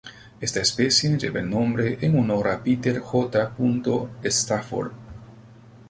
Esta especie lleva el nombre en honor a Peter J. Stafford.